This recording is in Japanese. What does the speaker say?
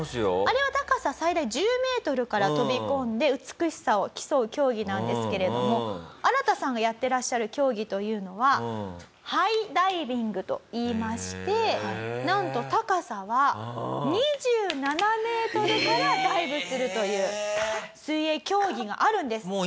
あれは高さ最大１０メートルから飛び込んで美しさを競う競技なんですけれどもアラタさんがやってらっしゃる競技というのはハイダイビングといいましてなんと高さは２７メートルからダイブするという水泳競技があるんです。